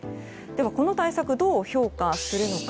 この対策、どう評価するのか。